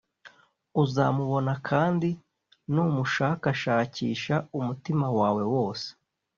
uzamubona kandi numushakashakisha umutima wawe wose